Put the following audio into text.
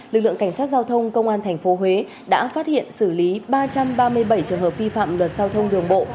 lực lượng cảnh sát giao thông công an tp huế đã phát hiện xử lý ba trăm ba mươi bảy trường hợp vi phạm luật giao thông đường bộ